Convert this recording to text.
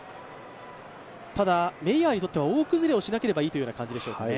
ただ、メイヤーにとっては大崩れしなければいいという感じでしょうかね。